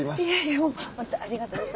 ありがとうございます。